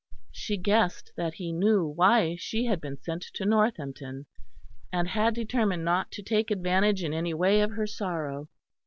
She guessed that he knew why she had been sent to Northampton, and had determined not to take advantage in any way of her sorrow.